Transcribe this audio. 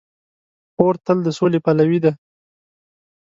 خور تل د سولې پلوي ده.